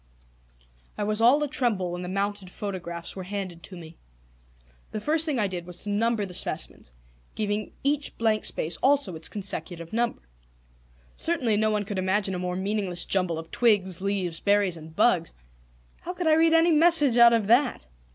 I was all a tremble when the mounted photographs were handed to me. The first thing I did was to number the specimens, giving each blank space also its consecutive number. Certainly no one could imagine a more meaningless jumble of twigs, leaves, berries, and bugs. How could I read any message out of that?